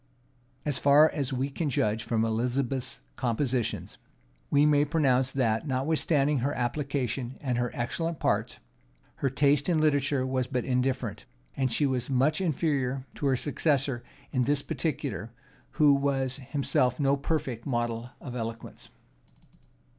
As far us we can judge from Elizabeth's compositions, we may pronounce that, notwithstanding her application, and her excellent parts, her taste in literature was but indifferent: she was much inferior to her successor in this particular, who was himself no perfect model of eloquence.